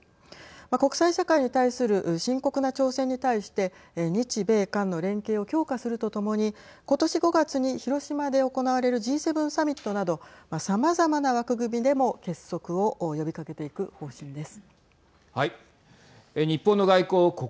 国際社会に対する深刻な挑戦に対して日米韓の連係を強化するとともに今年５月に広島で行われるＧ７サミットなどさまざまな枠組みでも結束を呼びかけていく方針です。